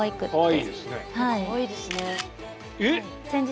かわいいですね。